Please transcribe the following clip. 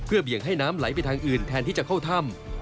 เบี่ยงให้น้ำไหลไปทางอื่นแทนที่จะเข้าถ้ำ